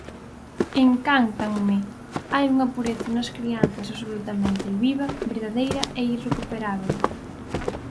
Encántanme, hai unha pureza nas crianzas absolutamente viva, verdadeira e irrecuperábel.